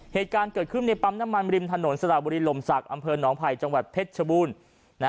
เหตุการณ์เกิดขึ้นในปั๊มน้ำมันริมถนนสระบุรีลมศักดิ์อำเภอหนองไผ่จังหวัดเพชรชบูรณ์